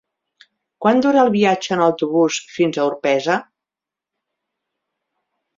Quant dura el viatge en autobús fins a Orpesa?